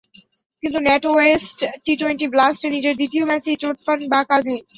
কিন্তু NatWest T twenty ব্লাস্টে নিজের দ্বিতীয় ম্যাচেই চোট পান বাঁ কাঁধে।